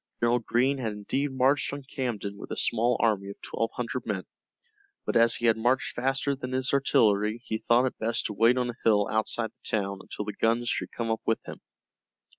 General Greene had indeed marched on Camden with a small army of twelve hundred men, but as he had marched faster than his artillery he thought it best to wait on a hill outside the town until the guns should come up with him.